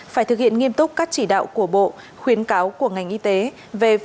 phải thực hiện nghiêm túc các chỉ đạo của bộ khuyến cáo của ngành y tế